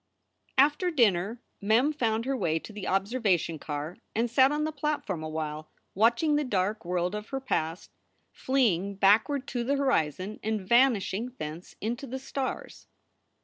After dinner Mem found her way to the observation car and sat on the platform awhile, watching the dark world of her past fleeing backward to the horizon and vanishing thence into the stars.